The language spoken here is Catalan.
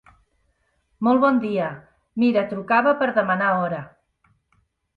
Molt bon dia, mira trucava per demanar hora.